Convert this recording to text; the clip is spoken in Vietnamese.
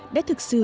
đã thực sự